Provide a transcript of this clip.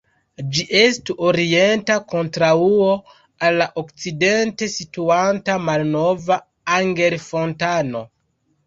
Ĝi estu orienta kontraŭo al la okcidente situanta Malnova Anger-fontano.